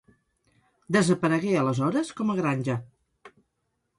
Desaparegué aleshores com a granja.